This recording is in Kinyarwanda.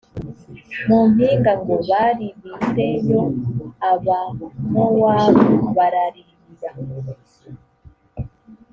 mu mpinga ngo baririreyo abamowabu bararirira